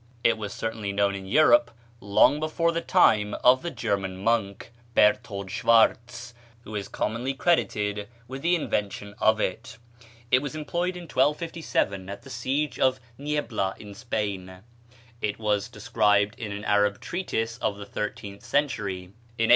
It was certainly known in Europe long before the time of the German monk, Berthold Schwarz, who is commonly credited with the invention of it. It was employed in 1257 at the siege of Niebla, in Spain. It was described in an Arab treatise of the thirteenth century. In A.